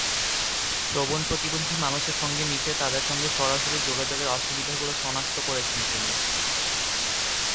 শ্রবণপ্রতিবন্ধী মানুষের সঙ্গে মিশে তাঁদের সঙ্গে সরাসরি যোগাযোগের অসুবিধাগুলো শনাক্ত করেছেন তিনি।